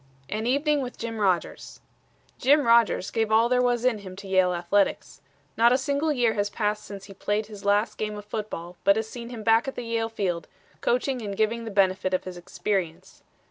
AN EVENING WITH JIM RODGERS Jim Rodgers gave all there was in him to Yale athletics. Not a single year has passed since he played his last game of football but has seen him back at the Yale field, coaching and giving the benefit of his experience.